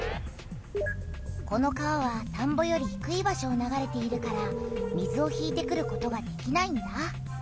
この川は田んぼよりひくい場所を流れているから水を引いてくることができないんだ！